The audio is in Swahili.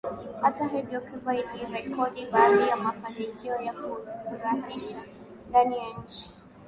Hata hivyo Cuba ilirekodi baadhi ya mafanikio ya kufurahisha ndani ya nchi